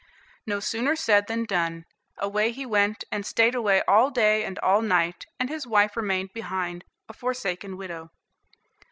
No sooner said than done. Away he went, and stayed away all day and all night, and his wife remained behind a forsaken widow.